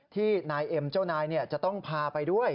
ที่นายเอ็มเจ้านายจะต้องพาไปด้วย